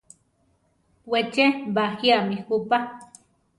We che bajíami jupa.